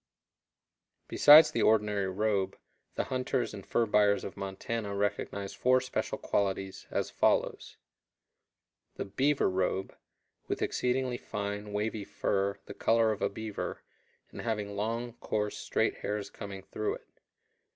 Besides the ordinary robe, the hunters and fur buyers of Montana recognized four special qualities, as follows: The "beaver robe," with exceedingly fine, wavy fur, the color of a beaver, and having long, coarse, straight hairs coming through it.